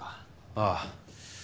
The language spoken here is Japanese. ああ。